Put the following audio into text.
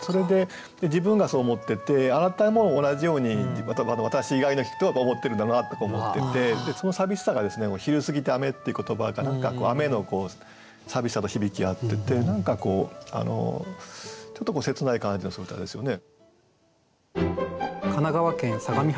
それで自分がそう思ってて「あなた」も同じように私以外の人を思ってるんだろうなとか思っててその寂しさが「昼過ぎて雨」っていう言葉が雨の寂しさと響き合ってて何かこうちょっと切ない感じのする歌ですよね。